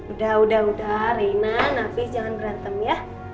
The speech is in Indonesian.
udah udah reina nafis jangan berantem ya